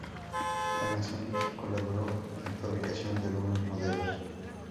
Panasonic colaboró en la fabricación de algunos modelos.